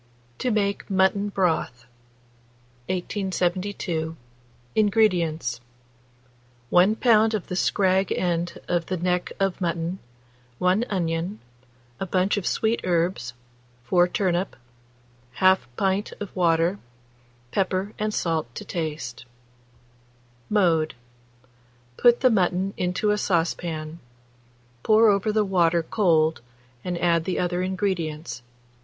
TO MAKE MUTTON BROTH. 1872. INGREDIENTS. 1 lb. of the scrag end of the neck of mutton, 1 onion, a bunch of sweet herbs, 4 turnip, 1/2 pints of water, pepper and salt to taste. Mode. Put the mutton into a stewpan; pour over the water cold and add the other ingredients.